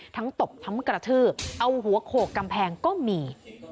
ตบทั้งกระทืบเอาหัวโขกกำแพงก็มี